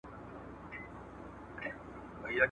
توري سرې وي د ورور ویني ترې څڅیږي ..